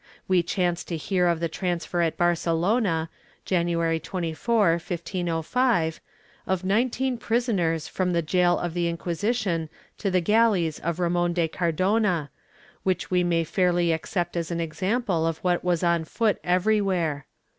We chance to hear of the transfer at Barcelona, January 24, 1505, of nineteen prisoners from the gaol of the Inqui sition to the galleys of Ramon de Car dona, which we may fairly accept as an example of what was on foot everywhere.